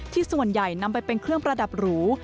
ส่วนใหญ่นำไปเป็นเครื่องประดับหรู